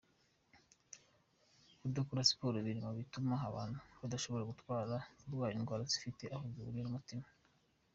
Kudakora siporo biri mu bituma abantu barushaho kurwara indwara zifite aho zihuriye n’umutima.